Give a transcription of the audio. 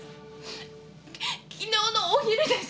昨日のお昼です。